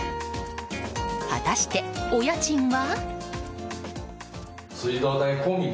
果たして、お家賃は。